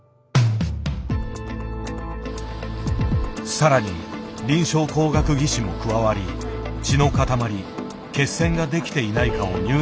更に臨床工学技士も加わり血の塊「血栓」ができていないかを入念に確認する。